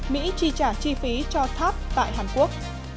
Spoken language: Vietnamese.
mỹ chi trả chi phí cho tháp tại hàn quốc